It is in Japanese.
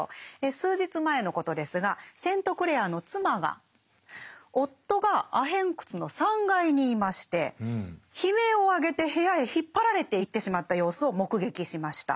数日前のことですがセントクレアの妻が夫がアヘン窟の３階にいまして悲鳴を上げて部屋へ引っ張られていってしまった様子を目撃しました。